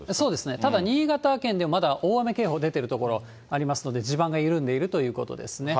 ただ新潟県でも大雨警報出ている所がありますので、地盤が緩んでいるということですね。